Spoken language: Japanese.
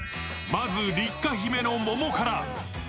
まず六花姫の桃から。